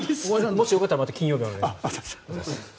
もしよかったらまた金曜日お願いします。